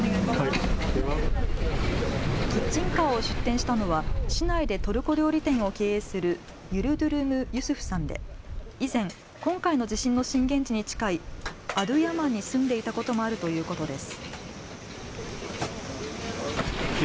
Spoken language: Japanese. キッチンカーを出店したのは市内でトルコ料理店を経営するユルドゥルム・ユスフさんで以前、今回の地震の震源地に近いアドゥヤマンに住んでいたこともあるということです。